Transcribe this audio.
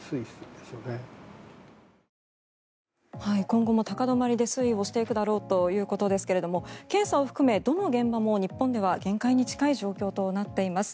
今後も高止まりで推移してくるだろうということですけど検査を含め、どの現場も日本では限界に近い状況となっています。